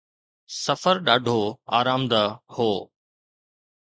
سفر ڏاڍو آرامده هو.